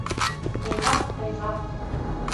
Ҡыйғаҡ-ҡыйғаҡ